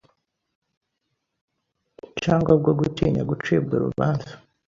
cyangwa bwo gutinya gucibwa urubanza